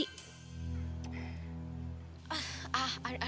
kalau yang akan gusur tempat ini adalah papanya sendiri